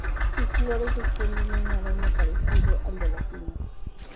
Sus flores desprenden un aroma parecido al de la piña.